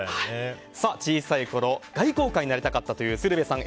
小さいころ外交官になりたかったという鶴瓶さん